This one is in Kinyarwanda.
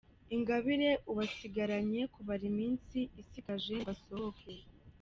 Ingabire ubu asigaranye kubara iminsi isigaje ngo asohoke.